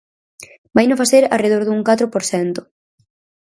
Vaino facer arredor dun catro por cento.